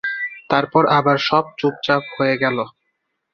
তারপর সব আবার চুপচাপ হয়ে গেল।